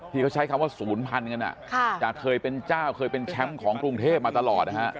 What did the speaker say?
ที่เขาใช้คำว่าศูนย์พันกันจากเคยเป็นเจ้าเคยเป็นแชมป์ของกรุงเทพมาตลอดนะฮะ